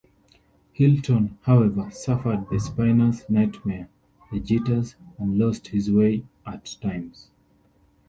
Hilton, however, suffered the spinners' nightmare, the jitters, and lost his way at times.